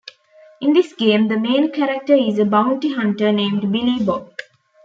In this game, the main character is a bounty hunter named Billy Bob.